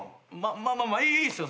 まあまあいいっすよ。